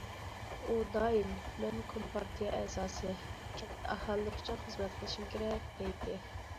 ئۇ دائىم:« مەن كومپارتىيە ئەزاسى، كەنت ئاھالىلىرى ئۈچۈن خىزمەت قىلىشىم كېرەك» دەيتتى.